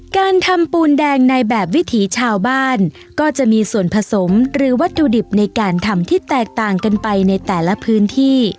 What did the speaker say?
การทำปูนแดงในแบบวิถีชาวบ้านก็จะมีส่วนผสมหรือวัตถุดิบในการทำที่แตกต่างกันไปในแต่ละพื้นที่